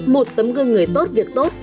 một tấm gương người tốt việc tốt